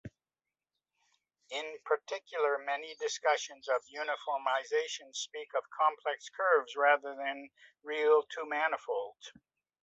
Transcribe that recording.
In particular, many discussions of uniformization speak of complex curves rather than real two-manifolds.